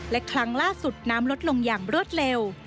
และครั้งล่าสุดน้ำลดลงอย่างรวดเร็ว